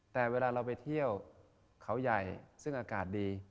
แต่เวลาเราไปเที่ยวเขาใหญ่ซึ่งอากาศดี